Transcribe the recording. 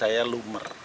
apa ya lumer itu